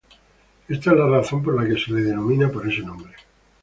Ésta es la razón por la que se la denomina por ese nombre.